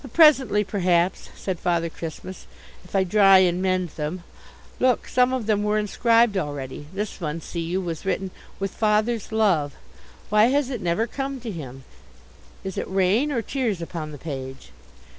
"But presently, perhaps," said Father Christmas, "if I dry and mend them. Look, some of them were inscribed already! This one, see you, was written 'With father's love.' Why has it never come to him? Is it rain or tears upon the page?"